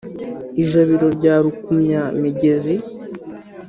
ijabiro rya rukumya-migezi.